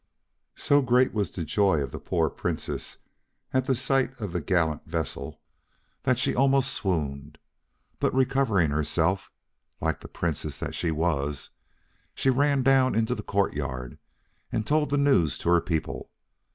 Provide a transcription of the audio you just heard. So great was the joy of the poor Princess at the sight of the gallant vessel that she almost swooned; but recovering herself, like the Princess that she was, she ran down into the courtyard and told the news to her people.